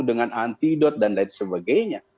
dengan antidot dan lain sebagainya